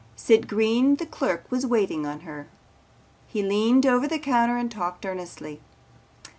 Sid Green the clerk was waiting on her. He leaned over the counter and talked earnestly.